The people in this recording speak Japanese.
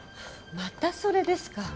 またそれですか。